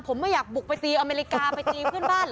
ผมไม่อยากบุกไปตีอเมริกาไปตีเพื่อนบ้าน